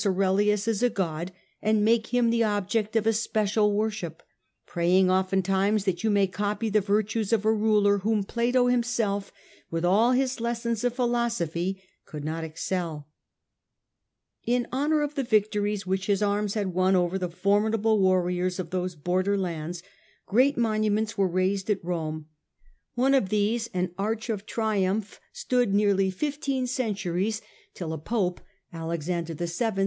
Aurelius as a god, and make him the object of a special worship, praying oftentimes that you may copy the virtues of a ruler whom Plato himself, with all his lessons of philo sophy, could not excel' In honour of the victories which his arms had won _ over the formidable warriors of those border The monu ,,•, ments in his lands, great monuments were raised at Rome, honour. these, an arch of triumph, stood for 1 47 1 8o. Marcus A urelius A ntoninus, 1 1 1 nearly fifteen centuries till a Pope (Alexander VII.)